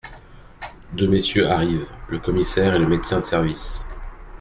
Deux messieurs arrivent, le commissaire et le médecin de service.